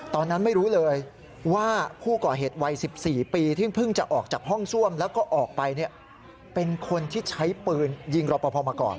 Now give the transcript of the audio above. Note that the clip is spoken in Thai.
ตอนนั้นไม่รู้เลยว่าผู้ก่อเหตุวัย๑๔ปีที่เพิ่งจะออกจากห้องซ่วมแล้วก็ออกไปเป็นคนที่ใช้ปืนยิงรอปภมาก่อน